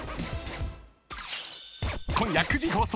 ［今夜９時放送！